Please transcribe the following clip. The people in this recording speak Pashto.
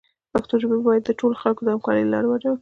پښتو ژبه باید د ټولو خلکو د همکارۍ له لارې وده وکړي.